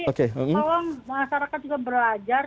tolong masyarakat juga belajar